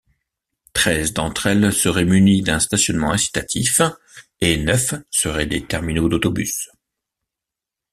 Treize d'entre elles seraient munies d'un stationnement incitatif et neufs seraient des terminaux d'autobus.